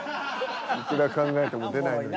いくら考えても出ないのに。